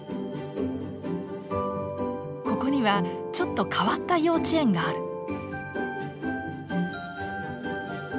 ここにはちょっと変わった幼稚園がある。